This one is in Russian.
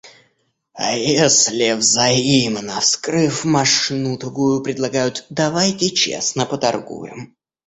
А если взаимно, вскрыв мошну тугую, предлагают: – Давайте честно поторгуем!